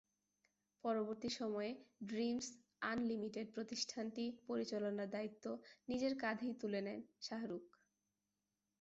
পরবর্তী সময়ে Dreams Unlimited প্রতিষ্ঠানটি পরিচালনার দায়িত্ব নিজের কাঁধেই তুলে নেন শাহরুখ।